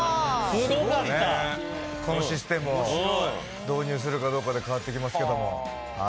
すごいな、このシステム導入するかどうかで変わってきますけれども。